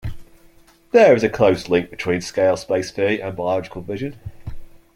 There is a close link between scale-space theory and biological vision.